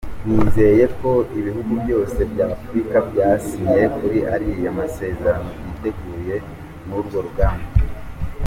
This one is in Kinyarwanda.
Nizeye ko ibihugu byose bya Afurika byasinye kuri ariya masezerano byiteguye n’urwo rugamba.